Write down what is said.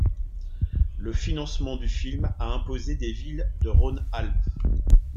Le financement du film a imposé des villes de Rhône-Alpes.